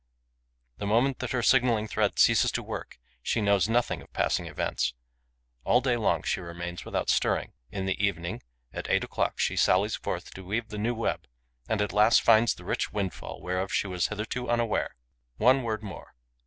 The moment that her signalling thread ceases to work, she knows nothing of passing events. All day long, she remains without stirring. In the evening, at eight o'clock, she sallies forth to weave the new web and at last finds the rich windfall whereof she was hitherto unaware. One word more.